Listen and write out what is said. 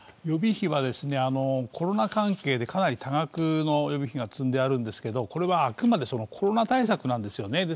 予備費はコロナ関係でかなり多額の予備費が積んであるんですがこれはあくまでコロナ対策なんですよね。